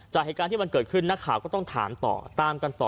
จากเหตุการณ์ที่เป็นเกิดขึ้นก็ต้องถามต่อตามกันต่อ